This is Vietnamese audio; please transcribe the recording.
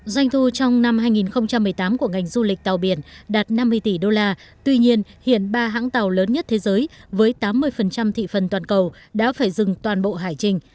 doanh thu trong năm hai nghìn một mươi tám của ngành du lịch tàu biển đạt năm mươi tỷ đô la tuy nhiên hiện ba hãng tàu lớn nhất thế giới với tám mươi thị phần toàn cầu đã phải dừng toàn bộ hải trình